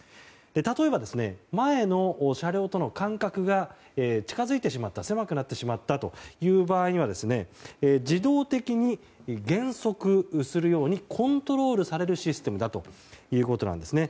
例えば、前の車両との間隔が近づいてしまったり狭くなってしまったという場合は自動的に減速するようにコントロールされるシステムだということです。